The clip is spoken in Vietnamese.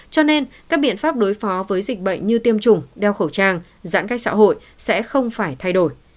cho nên các biện pháp đối phó với dịch bệnh như tiêm chủng đeo khẩu trang giãn cách xã hội sẽ không phải thay đổi